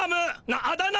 なあだ名！